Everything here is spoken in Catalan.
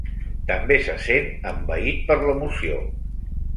També se sent envaït per l'emoció.